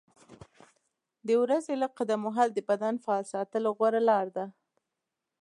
د ورځې لږ قدم وهل د بدن فعال ساتلو غوره لاره ده.